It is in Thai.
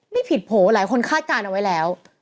ไม่ผิดโผล่หลายคนคาดการณ์เอาไว้แล้ว